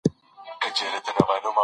څنګه دولت کولای سي ځمکي استملاک کړي؟